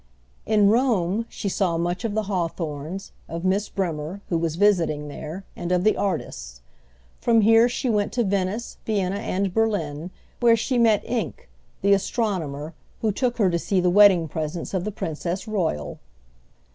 In Rome she saw much of the Hawthornes, of Miss Bremer, who was visiting there, and of the artists. From here she went to Venice, Vienna, and Berlin, where she met Encke, the astronomer, who took her to see the wedding presents of the Princess Royal.